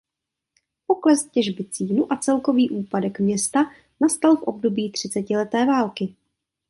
Pokles těžby cínu a celkový úpadek města nastal v období třicetileté války.